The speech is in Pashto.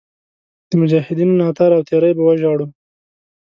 د مجاهدینو ناتار او تېری به وژاړو.